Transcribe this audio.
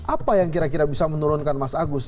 apa yang kira kira bisa menurunkan mas agus